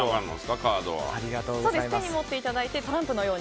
カードは手に持っていただいてトランプのように。